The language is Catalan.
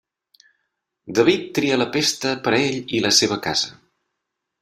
David tria la pesta per a ell i la seva casa.